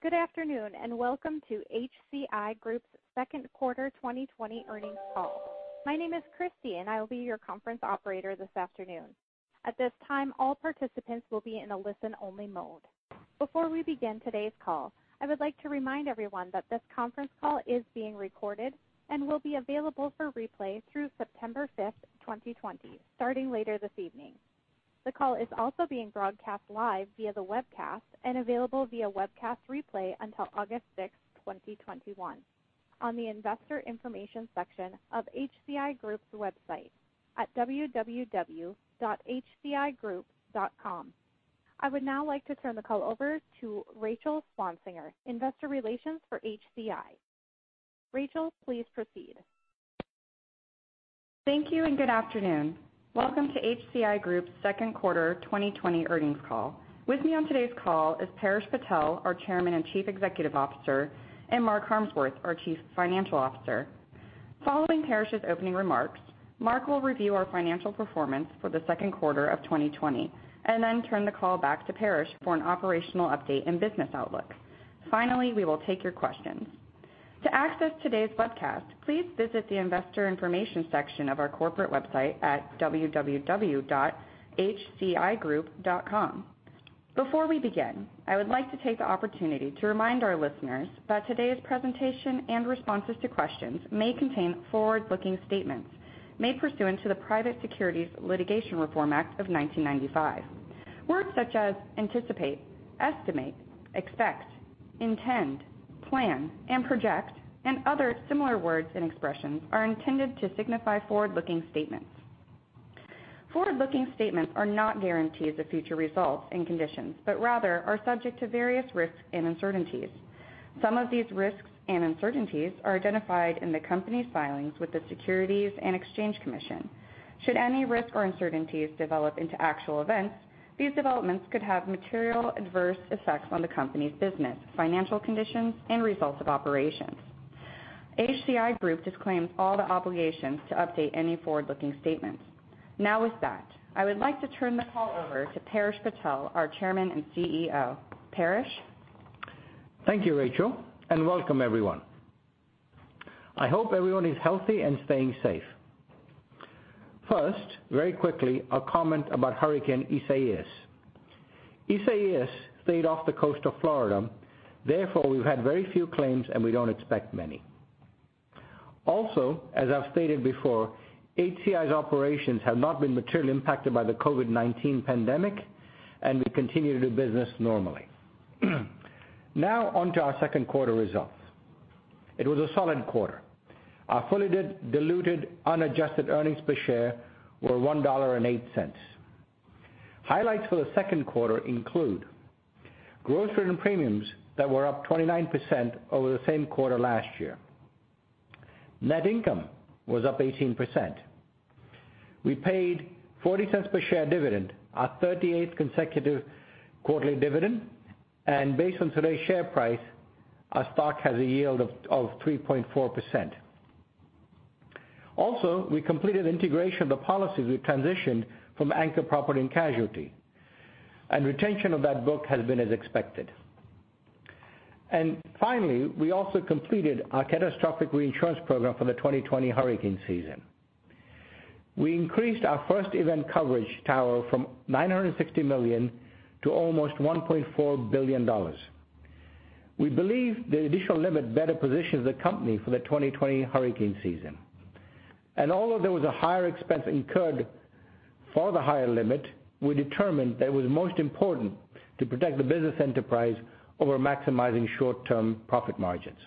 Good afternoon, and welcome to HCI Group's second quarter 2020 earnings call. My name is Christy, and I will be your conference operator this afternoon. At this time, all participants will be in a listen-only mode. Before we begin today's call, I would like to remind everyone that this conference call is being recorded and will be available for replay through September 5th, 2020, starting later this evening. The call is also being broadcast live via the webcast and available via webcast replay until August 6th, 2021 on the Investor Information section of HCI Group's website at www.hcigroup.com. I would now like to turn the call over to Rachel Swansiger, investor relations for HCI. Rachel, please proceed. Thank you, and good afternoon. Welcome to HCI Group's second quarter 2020 earnings call. With me on today's call is Paresh Patel, our chairman and chief executive officer, and Mark Harmsworth, our chief financial officer. Following Paresh's opening remarks, Mark will review our financial performance for the second quarter of 2020 and then turn the call back to Paresh for an operational update and business outlook. Finally, we will take your questions. To access today's webcast, please visit the Investor Information section of our corporate website at www.hcigroup.com. Before we begin, I would like to take the opportunity to remind our listeners that today's presentation and responses to questions may contain forward-looking statements made pursuant to the Private Securities Litigation Reform Act of 1995. Words such as anticipate, estimate, expect, intend, plan, and project, and other similar words and expressions are intended to signify forward-looking statements. Forward-looking statements are not guarantees of future results and conditions, rather are subject to various risks and uncertainties. Some of these risks and uncertainties are identified in the company's filings with the Securities and Exchange Commission. Should any risks or uncertainties develop into actual events, these developments could have material adverse effects on the company's business, financial conditions, and results of operations. HCI Group disclaims all the obligations to update any forward-looking statements. With that, I would like to turn the call over to Paresh Patel, our chairman and CEO. Paresh? Thank you, Rachel, and welcome everyone. I hope everyone is healthy and staying safe. First, very quickly, a comment about Hurricane Isaias. Isaias stayed off the coast of Florida, therefore, we've had very few claims, and we don't expect many. Also, as I've stated before, HCI's operations have not been materially impacted by the COVID-19 pandemic, and we continue to do business normally. On to our second quarter results. It was a solid quarter. Our fully diluted, unadjusted earnings per share were $1.08. Highlights for the second quarter include gross written premiums that were up 29% over the same quarter last year. Net income was up 18%. We paid $0.40 per share dividend, our 38th consecutive quarterly dividend, and based on today's share price, our stock has a yield of 3.4%. We completed integration of the policies we transitioned from Anchor Property and Casualty, retention of that book has been as expected. Finally, we also completed our catastrophic reinsurance program for the 2020 hurricane season. We increased our first event coverage tower from $960 million to almost $1.4 billion. We believe the additional limit better positions the company for the 2020 hurricane season. Although there was a higher expense incurred for the higher limit, we determined that it was most important to protect the business enterprise over maximizing short-term profit margins.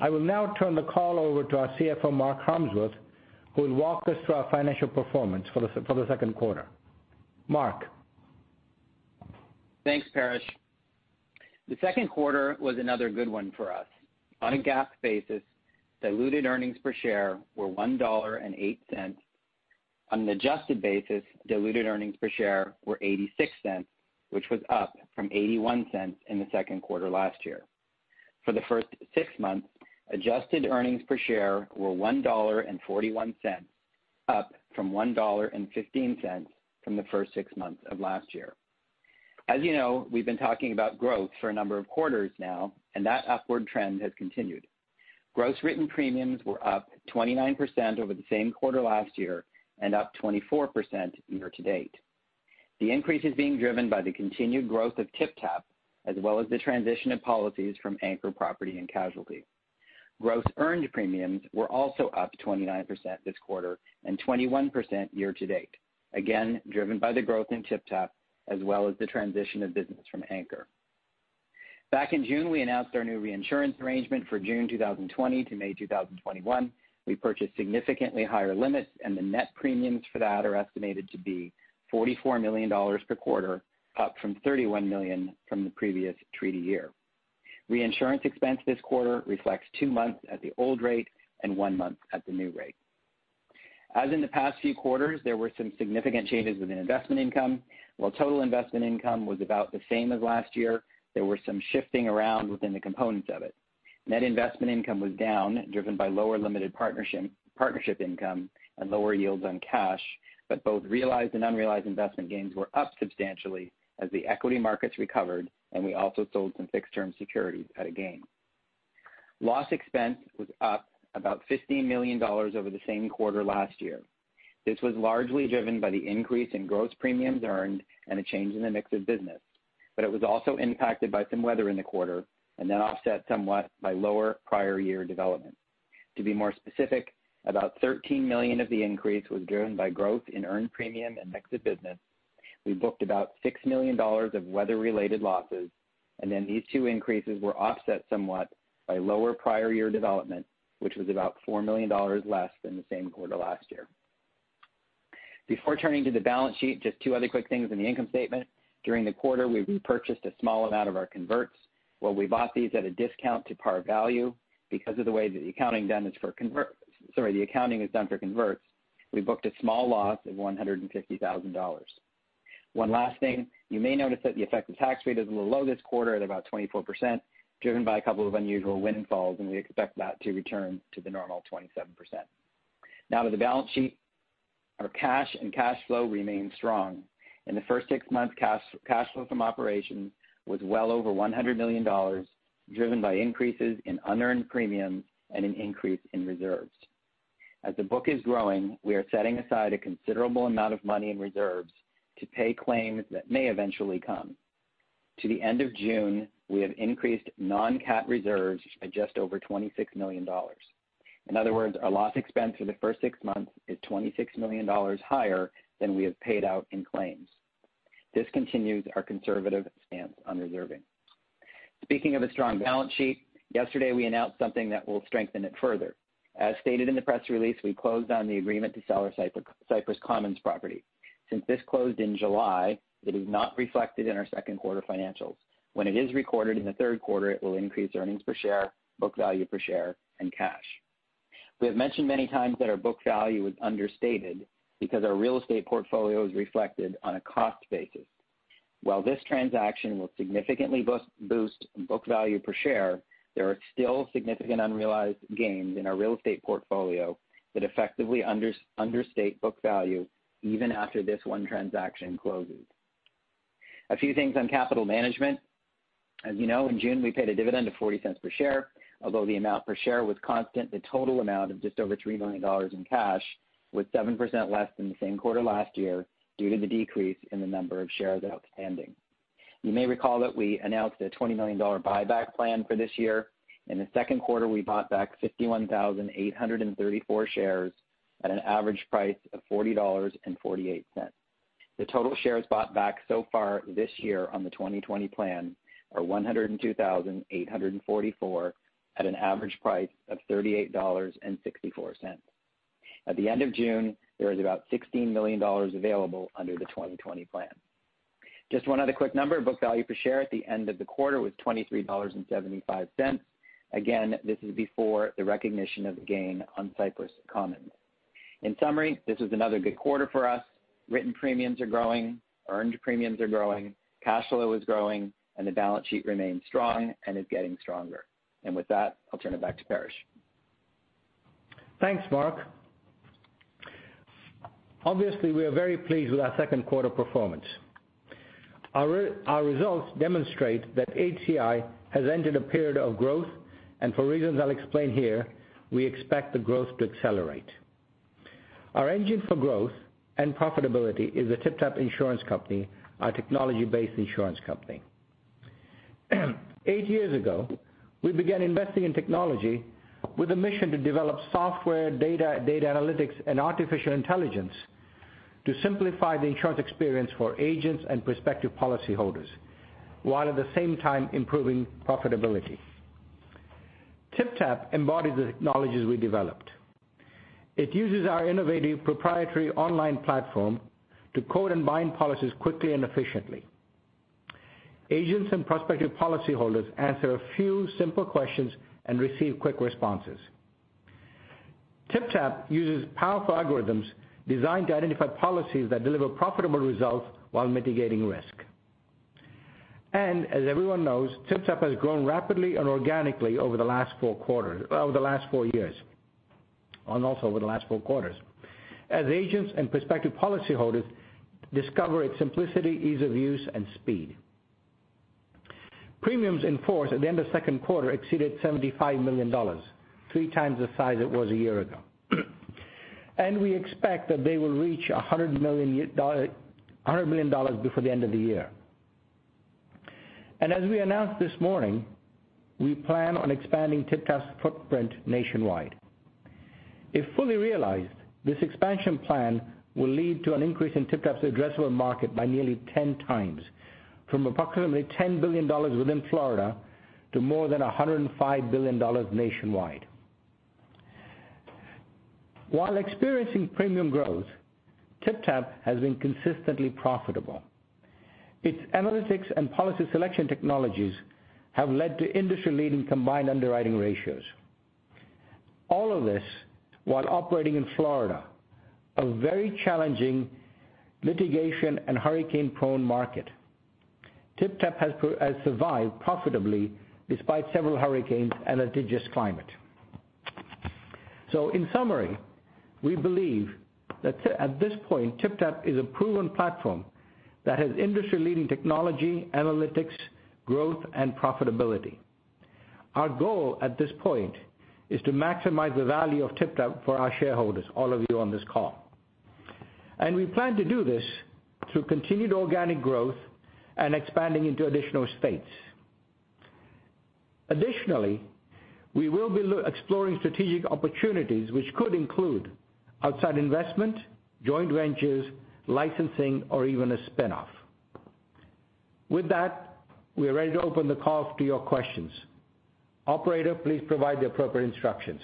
I will now turn the call over to our CFO, Mark Harmsworth, who will walk us through our financial performance for the second quarter. Mark? Thanks, Paresh. The second quarter was another good one for us. On a GAAP basis, diluted earnings per share were $1.08. On an adjusted basis, diluted earnings per share were $0.86, which was up from $0.81 in the second quarter last year. For the first six months, adjusted earnings per share were $1.41, up from $1.15 from the first six months of last year. As you know, we've been talking about growth for a number of quarters now, that upward trend has continued. Gross written premiums were up 29% over the same quarter last year and up 24% year to date. The increase is being driven by the continued growth of TypTap, as well as the transition of policies from Anchor Property and Casualty. Gross earned premiums were also up 29% this quarter and 21% year to date, again, driven by the growth in TypTap, as well as the transition of business from Anchor. Back in June, we announced our new reinsurance arrangement for June 2020 to May 2021. We purchased significantly higher limits, the net premiums for that are estimated to be $44 million per quarter, up from $31 million from the previous treaty year. Reinsurance expense this quarter reflects two months at the old rate and one month at the new rate. As in the past few quarters, there were some significant changes within investment income. While total investment income was about the same as last year, there was some shifting around within the components of it. Net investment income was down, driven by lower limited partnership income and lower yields on cash, both realized and unrealized investment gains were up substantially as the equity markets recovered, we also sold some fixed-term securities at a gain. Loss expense was up about $15 million over the same quarter last year. This was largely driven by the increase in gross premiums earned and a change in the mix of business, it was also impacted by some weather in the quarter offset somewhat by lower prior year development. To be more specific, about $13 million of the increase was driven by growth in earned premium and mix of business. We booked about $6 million of weather-related losses, these two increases were offset somewhat by lower prior year development, which was about $4 million less than the same quarter last year. Before turning to the balance sheet, just two other quick things in the income statement. During the quarter, we repurchased a small amount of our converts. While we bought these at a discount to par value because of the way the accounting is done for converts, we booked a small loss of $150,000. One last thing, you may notice that the effective tax rate is a little low this quarter at about 24%, driven by a couple of unusual windfalls. We expect that to return to the normal 27%. Now to the balance sheet. Our cash and cash flow remain strong. In the first six months, cash flow from operation was well over $100 million, driven by increases in unearned premiums and an increase in reserves. As the book is growing, we are setting aside a considerable amount of money in reserves to pay claims that may eventually come. To the end of June, we have increased non-CAT reserves by just over $26 million. In other words, our loss expense for the first six months is $26 million higher than we have paid out in claims. This continues our conservative stance on reserving. Speaking of a strong balance sheet, yesterday we announced something that will strengthen it further. As stated in the press release, we closed on the agreement to sell our Cypress Commons property. Since this closed in July, it is not reflected in our second quarter financials. When it is recorded in the third quarter, it will increase earnings per share, book value per share, and cash. We have mentioned many times that our book value is understated because our real estate portfolio is reflected on a cost basis. While this transaction will significantly boost book value per share, there are still significant unrealized gains in our real estate portfolio that effectively understate book value even after this one transaction closes. A few things on capital management. As you know, in June we paid a dividend of $0.40 per share. Although the amount per share was constant, the total amount of just over $3 million in cash was 7% less than the same quarter last year due to the decrease in the number of shares outstanding. You may recall that we announced a $20 million buyback plan for this year. In the second quarter, we bought back 51,834 shares at an average price of $40.48. The total shares bought back so far this year on the 2020 plan are 102,844 at an average price of $38.64. At the end of June, there was about $16 million available under the 2020 plan. Just one other quick number, book value per share at the end of the quarter was $23.75. Again, this is before the recognition of the gain on Cypress Commons. In summary, this was another good quarter for us. Written premiums are growing, earned premiums are growing, cash flow is growing, and the balance sheet remains strong and is getting stronger. With that, I'll turn it back to Paresh. Thanks, Mark. Obviously, we are very pleased with our second quarter performance. Our results demonstrate that HCI has entered a period of growth and for reasons I'll explain here, we expect the growth to accelerate. Our engine for growth and profitability is a TypTap Insurance company, our technology-based insurance company. Eight years ago, we began investing in technology with a mission to develop software, data analytics, and artificial intelligence to simplify the insurance experience for agents and prospective policyholders while at the same time improving profitability. TypTap embodies the technologies we developed. It uses our innovative proprietary online platform to quote and bind policies quickly and efficiently. Agents and prospective policyholders answer a few simple questions and receive quick responses. TypTap uses powerful algorithms designed to identify policies that deliver profitable results while mitigating risk. As everyone knows, TypTap has grown rapidly and organically over the last four years, also over the last four quarters as agents and prospective policyholders discover its simplicity, ease of use, and speed. Premiums in force at the end of second quarter exceeded $75 million, three times the size it was a year ago. We expect that they will reach $100 million before the end of the year. As we announced this morning, we plan on expanding TypTap's footprint nationwide. If fully realized, this expansion plan will lead to an increase in TypTap's addressable market by nearly 10 times from approximately $10 billion within Florida to more than $105 billion nationwide. While experiencing premium growth, TypTap has been consistently profitable. Its analytics and policy selection technologies have led to industry-leading combined underwriting ratios. All of this while operating in Florida, a very challenging litigation and hurricane-prone market. TypTap has survived profitably despite several hurricanes and a tedious climate. In summary, we believe that at this point, TypTap is a proven platform that has industry-leading technology, analytics, growth, and profitability. Our goal at this point is to maximize the value of TypTap for our shareholders, all of you on this call. We plan to do this through continued organic growth and expanding into additional states. Additionally, we will be exploring strategic opportunities, which could include outside investment, joint ventures, licensing, or even a spinoff. With that, we are ready to open the call to your questions. Operator, please provide the appropriate instructions.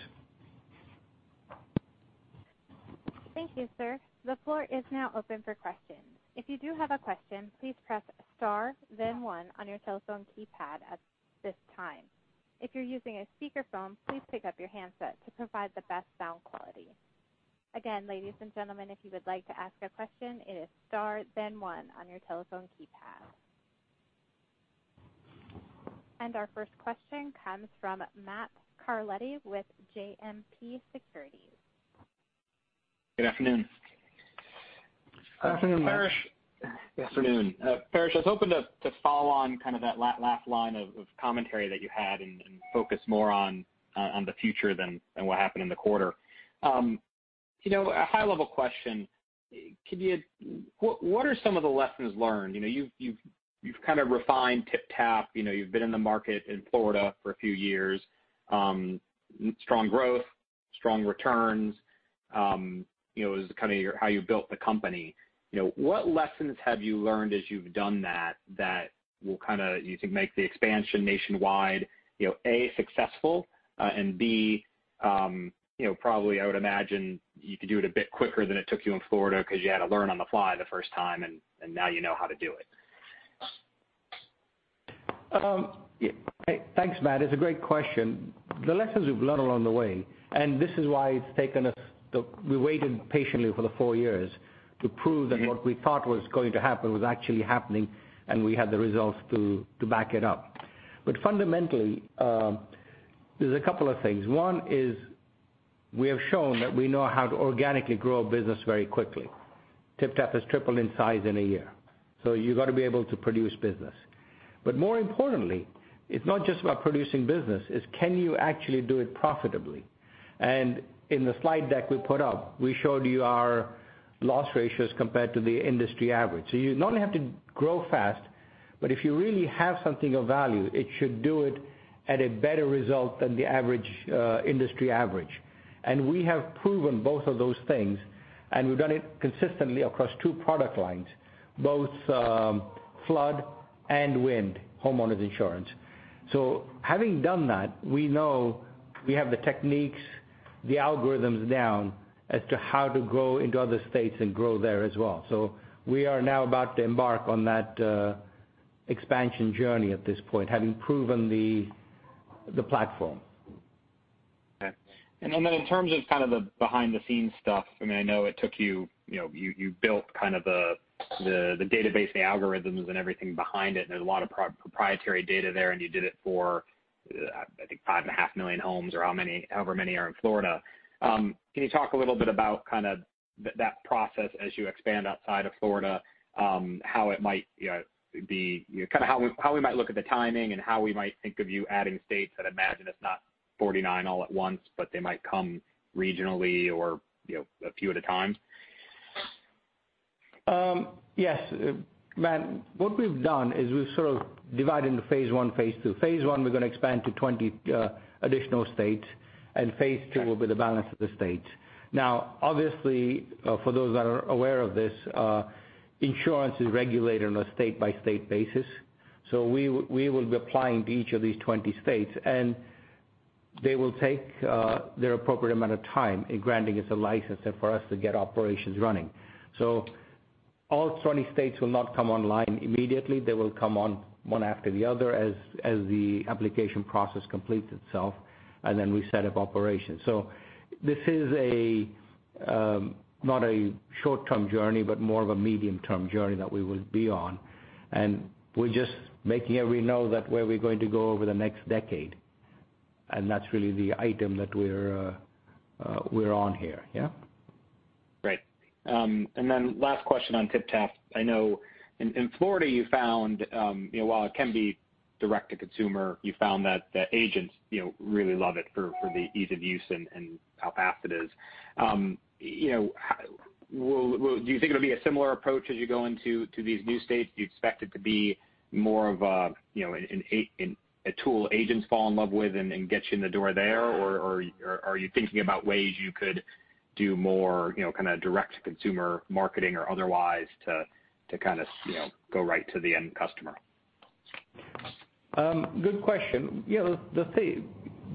Thank you, sir. The floor is now open for questions. If you do have a question, please press star then one on your telephone keypad at this time. If you're using a speakerphone, please pick up your handset to provide the best sound quality. Again, ladies and gentlemen, if you would like to ask a question, it is star then one on your telephone keypad. Our first question comes from Matt Carletti with JMP Securities. Good afternoon. Good afternoon, Matt. Paresh. Afternoon. Paresh, I was hoping to follow on kind of that last line of commentary that you had and focus more on the future than what happened in the quarter. A high-level question, what are some of the lessons learned? You've kind of refined TypTap, you've been in the market in Florida for a few years. Strong growth, strong returns, is kind of how you built the company. What lessons have you learned as you've done that will kind of you think make the expansion nationwide, A, successful, and B, probably I would imagine you could do it a bit quicker than it took you in Florida because you had to learn on the fly the first time, and now you know how to do it. Thanks, Matt. It's a great question. The lessons we've learned along the way, this is why we waited patiently for the four years to prove that what we thought was going to happen was actually happening, and we had the results to back it up. Fundamentally there's a couple of things. One is we have shown that we know how to organically grow a business very quickly. TypTap has tripled in size in a year. You got to be able to produce business. More importantly, it's not just about producing business, it's can you actually do it profitably? In the slide deck we put up, we showed you our loss ratios compared to the industry average. You not only have to grow fast, but if you really have something of value, it should do it at a better result than the industry average. We have proven both of those things, and we've done it consistently across two product lines, both flood and wind homeowners insurance. Having done that, we know we have the techniques, the algorithms down as to how to grow into other states and grow there as well. We are now about to embark on that expansion journey at this point, having proven the platform. Okay. In terms of kind of the behind the scenes stuff, I know you built the kind of the database, the algorithms and everything behind it, and there's a lot of proprietary data there, and you did it for I think 5.5 million homes or however many are in Florida. Can you talk a little bit about kind of that process as you expand outside of Florida? How we might look at the timing and how we might think of you adding states that imagine it's not 49 all at once, but they might come regionally or a few at a time? Yes. Matt, what we've done is we've sort of divided into phase 1, phase 2. Phase 1, we're going to expand to 20 additional states. Phase 2 will be the balance of the states. Now, obviously, for those that are aware of this, insurance is regulated on a state-by-state basis. We will be applying to each of these 20 states. They will take their appropriate amount of time in granting us a license and for us to get operations running. All 20 states will not come online immediately. They will come on one after the other as the application process completes itself and then we set up operations. This is not a short-term journey, but more of a medium-term journey that we will be on. We're just making everyone know that where we're going to go over the next decade, and that's really the item that we're on here. Yeah. Great. And then last question on TypTap. I know in Florida you found while it can be direct to consumer, you found that agents really love it for the ease of use and how fast it is. Do you think it'll be a similar approach as you go into these new states? Do you expect it to be more of a tool agents fall in love with and get you in the door there? Or are you thinking about ways you could do more kind of direct to consumer marketing or otherwise to kind of go right to the end customer? Good question.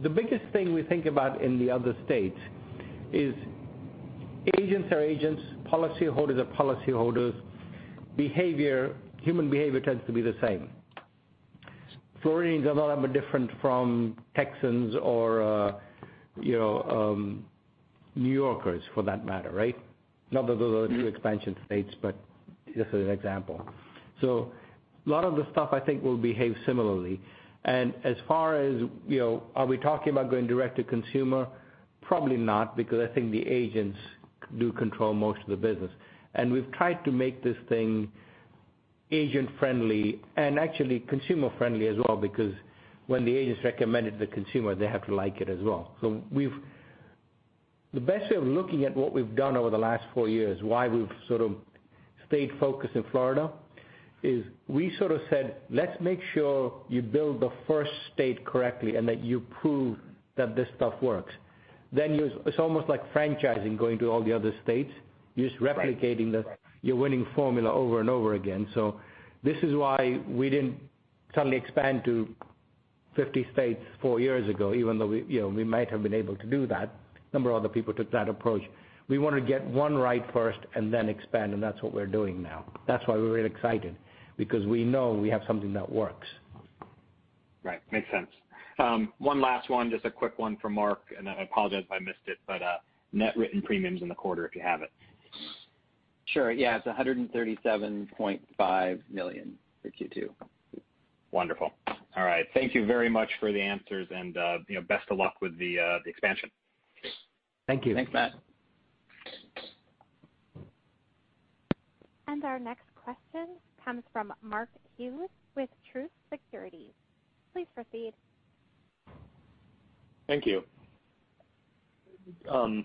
The biggest thing we think about in the other states is agents are agents, policyholders are policyholders. Human behavior tends to be the same. Floridians are no more different from Texans or New Yorkers for that matter, right? Not that those are the new expansion states, but just as an example. A lot of the stuff I think will behave similarly. As far as, are we talking about going direct to consumer? Probably not, because I think the agents do control most of the business, and we've tried to make this thing agent friendly and actually consumer friendly as well because when the agent recommended the consumer, they have to like it as well. The best way of looking at what we've done over the last four years, why we've sort of stayed focused in Florida is we sort of said, let's make sure you build the first state correctly and that you prove that this stuff works. Then it's almost like franchising, going to all the other states. You're just replicating your winning formula over and over again. This is why we didn't suddenly expand to 50 states four years ago, even though we might have been able to do that. Number of other people took that approach. We want to get one right first and then expand, and that's what we're doing now. That's why we're really excited, because we know we have something that works. Right. Makes sense. One last one, just a quick one for Mark, and then I apologize if I missed it, but net written premiums in the quarter if you have it. Sure. Yeah. It's $137.5 million for Q2. Wonderful. All right. Thank you very much for the answers and best of luck with the expansion. Thank you. Thanks, Matt. Our next question comes from Mark Hughes with Truist Securities. Please proceed. Thank you.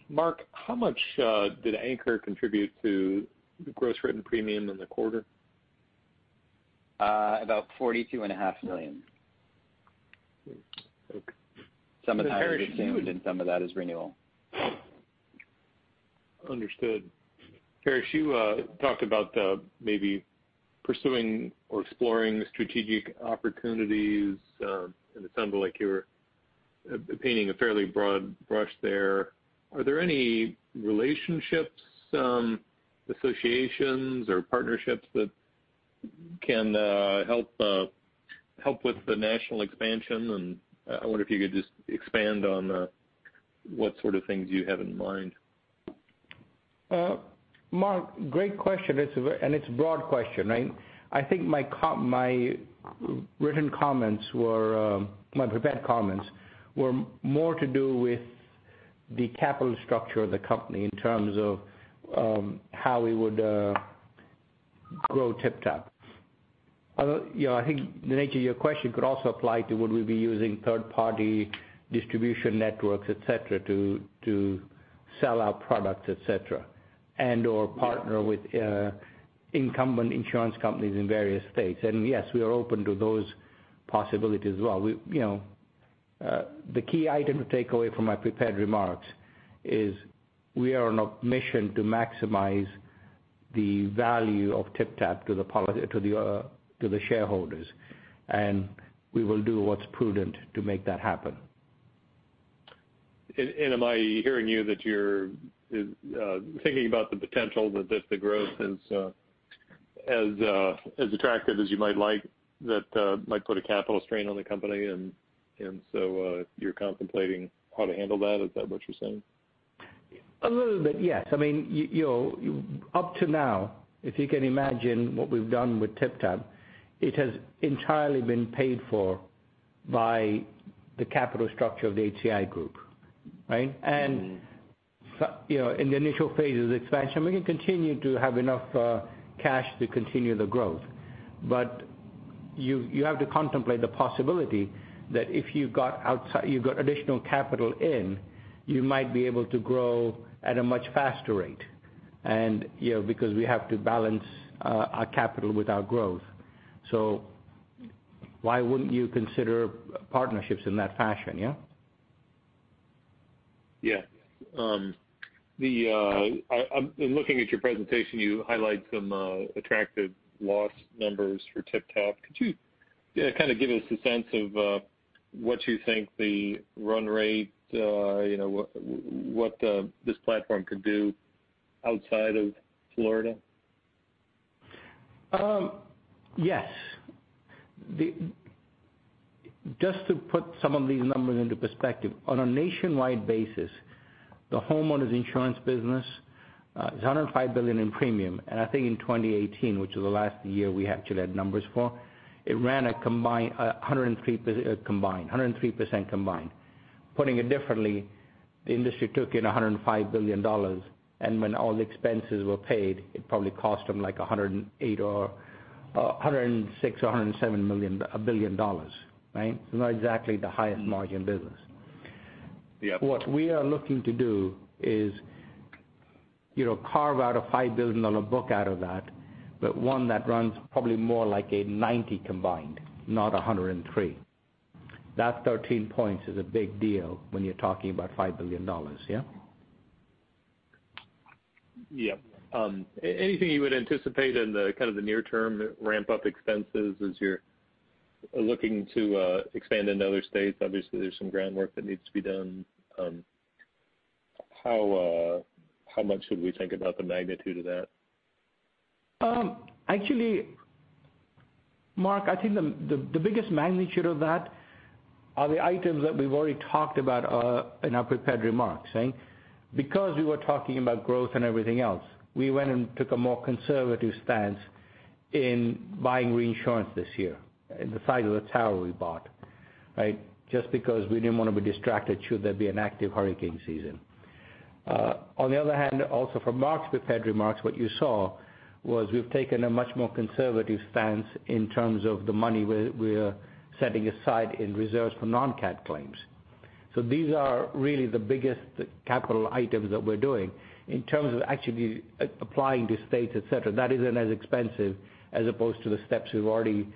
Mark, how much did Anchor contribute to the gross written premium in the quarter? About $42.5 million. Some of that is new and some of that is renewal. Understood. Paresh, you talked about maybe pursuing or exploring strategic opportunities, and it sounded like you were painting a fairly broad brush there. Are there any relationships, associations, or partnerships that can help with the national expansion? I wonder if you could just expand on what sort of things you have in mind. Mark, great question. It's a broad question, right? I think my prepared comments were more to do with the capital structure of the company in terms of how we would grow TypTap. I think the nature of your question could also apply to would we be using third party distribution networks, et cetera, to sell our product, et cetera, or partner with incumbent insurance companies in various states. Yes, we are open to those possibilities as well. The key item to take away from my prepared remarks is we are on a mission to maximize the value of TypTap to the shareholders, and we will do what's prudent to make that happen. Am I hearing you that you're thinking about the potential that the growth is as attractive as you might like that might put a capital strain on the company, so you're contemplating how to handle that? Is that what you're saying? A little bit, yes. Up to now, if you can imagine what we've done with TypTap, it has entirely been paid for by the capital structure of the HCI Group, right? In the initial phases of expansion, we can continue to have enough cash to continue the growth. You have to contemplate the possibility that if you got additional capital in, you might be able to grow at a much faster rate because we have to balance our capital with our growth. Why wouldn't you consider partnerships in that fashion, yeah? Yeah. In looking at your presentation, you highlight some attractive loss numbers for TypTap. Could you kind of give us a sense of what you think the run rate, what this platform could do outside of Florida? Yes. Just to put some of these numbers into perspective, on a nationwide basis, the homeowners' insurance business is $105 billion in premium. I think in 2018, which is the last year we actually had numbers for, it ran 103% combined. Putting it differently, the industry took in $105 billion, and when all the expenses were paid, it probably cost them like $108 billion or $106 billion or $107 billion, right? It's not exactly the highest margin business. Yeah. What we are looking to do is carve out a $5 billion book out of that, but one that runs probably more like a 90% combined, not 103%. That 13 percentage points is a big deal when you're talking about $5 billion, yeah? Yep. Anything you would anticipate in the kind of the near term ramp up expenses as you're looking to expand into other states? Obviously, there's some groundwork that needs to be done. How much should we think about the magnitude of that? Actually, Mark, I think the biggest magnitude of that are the items that we've already talked about in our prepared remarks. We were talking about growth and everything else, we went and took a more conservative stance in buying reinsurance this year and the size of the tower we bought. Just because we didn't want to be distracted should there be an active hurricane season. On the other hand, also from Mark's prepared remarks, what you saw was we've taken a much more conservative stance in terms of the money we are setting aside in reserves for non-CAT claims. These are really the biggest capital items that we're doing. In terms of actually applying to states, et cetera, that isn't as expensive as opposed to the steps we've already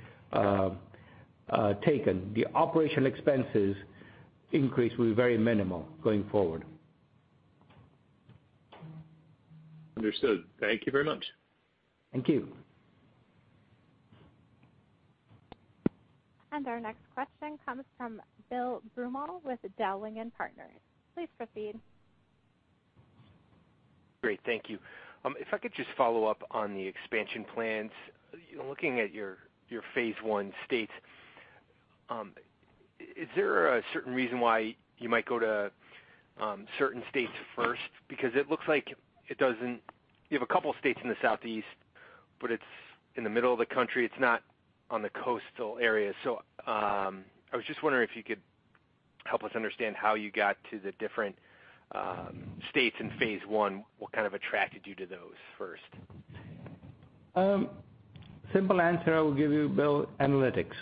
taken. The operational expenses increase will be very minimal going forward. Understood. Thank you very much. Thank you. Our next question comes from Bill Broomall with Dowling & Partners. Please proceed. Great. Thank you. If I could just follow up on the expansion plans. Looking at your phase 1 states, is there a certain reason why you might go to certain states first? Because it looks like you have a couple states in the Southeast, but it's in the middle of the country, it's not on the coastal area. I was just wondering if you could help us understand how you got to the different states in phase 1. What kind of attracted you to those first? Simple answer I will give you, Bill, analytics.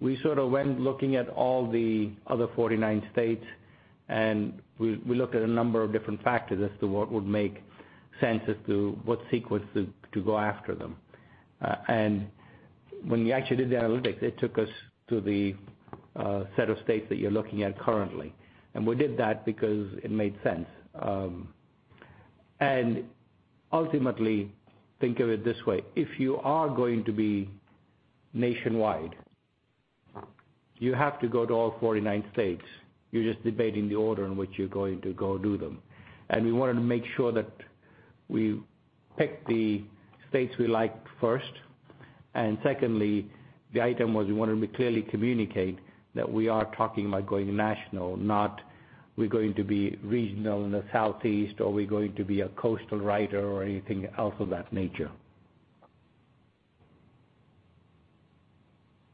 We sort of went looking at all the other 49 states. We looked at a number of different factors as to what would make sense as to what sequence to go after them. When we actually did the analytics, it took us to the set of states that you're looking at currently. We did that because it made sense. Ultimately, think of it this way, if you are going to be nationwide, you have to go to all 49 states. You're just debating the order in which you're going to go do them. We wanted to make sure that we picked the states we like first. Secondly, the item was we wanted to clearly communicate that we are talking about going national, not we're going to be regional in the Southeast or we're going to be a coastal writer or anything else of that nature.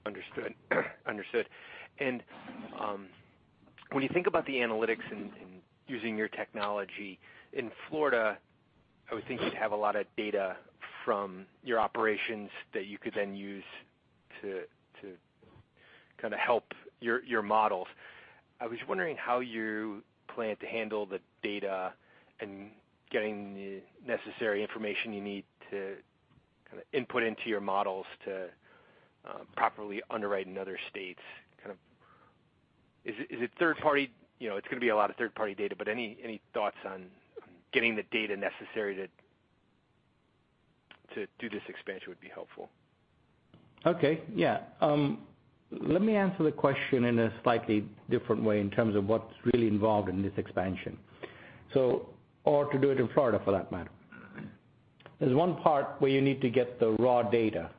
Understood. When you think about the analytics and using your technology in Florida, I would think you'd have a lot of data from your operations that you could then use to kind of help your models. I was wondering how you plan to handle the data and getting the necessary information you need to kind of input into your models to properly underwrite in other states. It's going to be a lot of third-party data, but any thoughts on getting the data necessary to do this expansion would be helpful. Okay. Yeah. Let me answer the question in a slightly different way in terms of what's really involved in this expansion, or to do it in Florida, for that matter. There's one part where you need to get the raw data.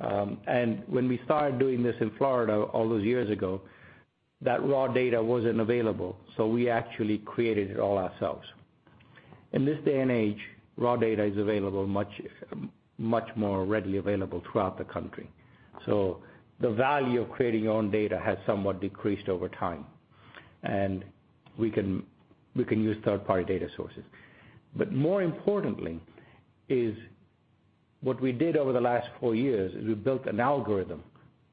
When we started doing this in Florida all those years ago, that raw data wasn't available, so we actually created it all ourselves. In this day and age, raw data is much more readily available throughout the country. The value of creating your own data has somewhat decreased over time, and we can use third-party data sources. More importantly, what we did over the last four years is we built an algorithm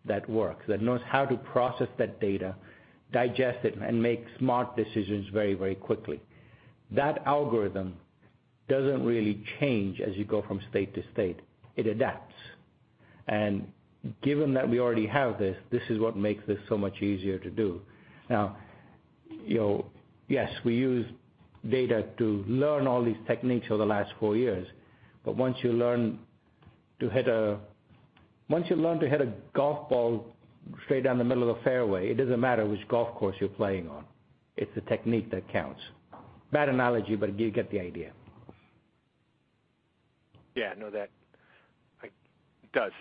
that works, that knows how to process that data, digest it, and make smart decisions very quickly. That algorithm doesn't really change as you go from state to state. It adapts. Given that we already have this is what makes this so much easier to do. Yes, we use data to learn all these techniques over the last four years, but once you learn to hit a golf ball straight down the middle of the fairway, it doesn't matter which golf course you're playing on. It's the technique that counts. Bad analogy, but you get the idea. Yeah, no, it does.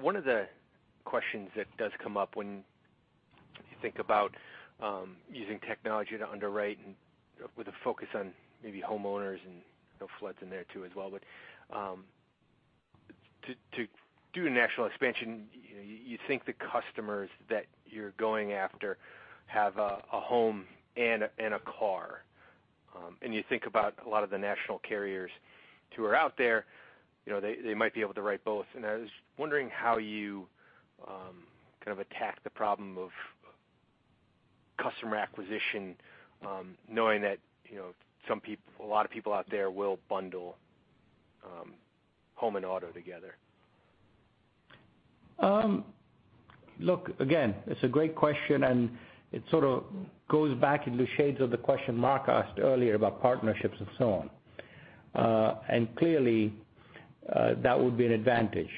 One of the questions that does come up when you think about using technology to underwrite and with a focus on maybe homeowners and floods in there too as well, but to do national expansion, you think the customers that you're going after have a home and a car. You think about a lot of the national carriers who are out there, they might be able to write both. I was wondering how you kind of attack the problem of customer acquisition, knowing that a lot of people out there will bundle home and auto together. Look, again, it's a great question, and it sort of goes back into shades of the question Mark asked earlier about partnerships and so on. Clearly, that would be an advantage.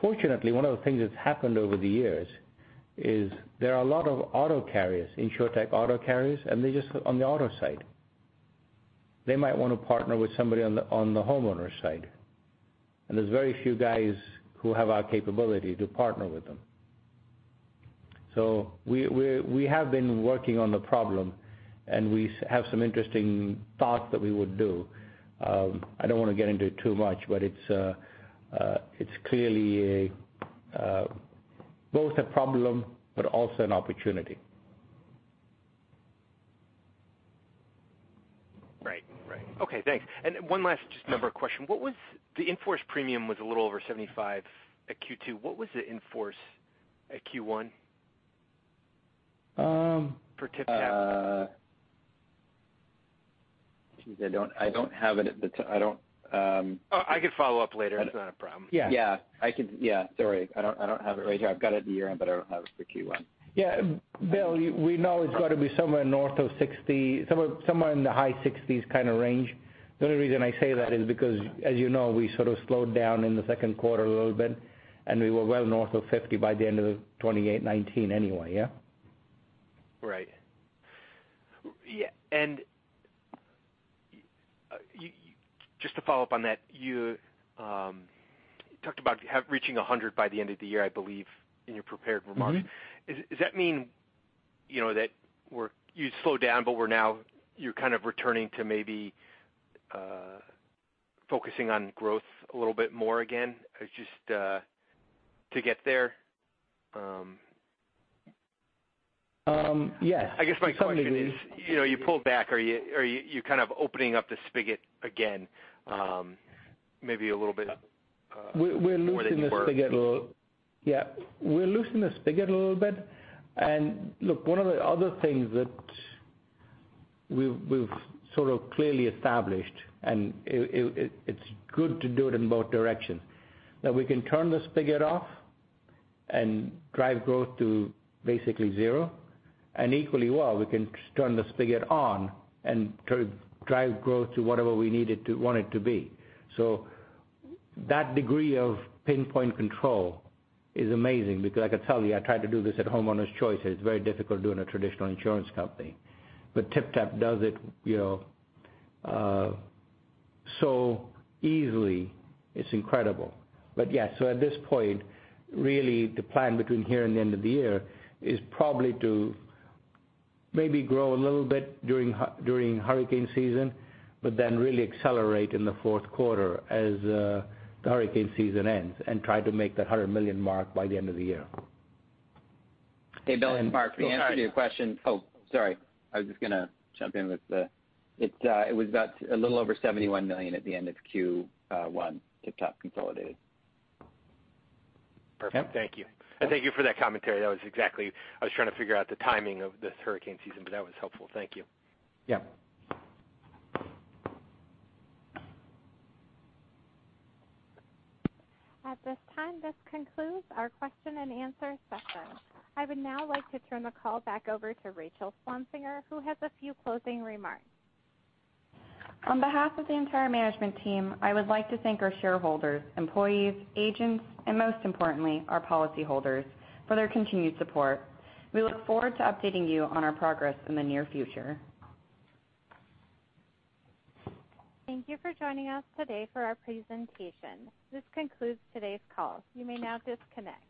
Fortunately, one of the things that's happened over the years is there are a lot of auto carriers, InsurTech auto carriers, and they're just on the auto side. They might want to partner with somebody on the homeowner side, and there's very few guys who have our capability to partner with them. We have been working on the problem, and we have some interesting thoughts that we would do. I don't want to get into it too much, but it's clearly both a problem but also an opportunity. Right. Okay, thanks. One last just number question. The in-force premium was a little over $75 at Q2. What was the in-force at Q1 for TypTap? Jeez, I don't have it at the tip. Oh, I could follow up later. It's not a problem. Yeah. Sorry, I don't have it right here. I've got it at year-end, but I don't have it for Q1. Yeah. Bill, we know it's got to be somewhere north of 60, somewhere in the high 60s kind of range. The only reason I say that is because, as you know, we sort of slowed down in the second quarter a little bit, and we were well north of 50 by the end of 2019 anyway, yeah? Right. Just to follow up on that, you talked about reaching 100 by the end of the year, I believe, in your prepared remarks. Does that mean that you slowed down, but now you're kind of returning to maybe focusing on growth a little bit more again, just to get there? Yes. To some degree. I guess my question is, you pulled back. Are you kind of opening up the spigot again maybe a little bit more than you were? Yeah. We're loosening the spigot a little bit. Look, one of the other things that we've sort of clearly established, and it's good to do it in both directions, that we can turn the spigot off and drive growth to basically zero. Equally well, we can turn the spigot on and drive growth to whatever we need it to, want it to be. That degree of pinpoint control is amazing because I could tell you, I tried to do this at Homeowners Choice. It's very difficult doing a traditional insurance company. TypTap does it so easily, it's incredible. Yeah. At this point, really, the plan between here and the end of the year is probably to maybe grow a little bit during hurricane season, then really accelerate in the fourth quarter as the hurricane season ends and try to make that $100 million mark by the end of the year. Hey, Bill and Mark, to answer your question. Oh, sorry. It was about a little over $71 million at the end of Q1, TypTap consolidated. Perfect. Thank you. Thank you for that commentary. I was trying to figure out the timing of this hurricane season, that was helpful. Thank you. Yeah. At this time, this concludes our question and answer session. I would now like to turn the call back over to Rachel Swansiger, who has a few closing remarks. On behalf of the entire management team, I would like to thank our shareholders, employees, agents, and most importantly, our policyholders for their continued support. We look forward to updating you on our progress in the near future. Thank you for joining us today for our presentation. This concludes today's call. You may now disconnect.